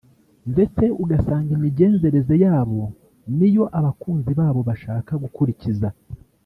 ndetse ugasanga imigenzereze yabo niyo abakunzi babo bashaka gukurikiza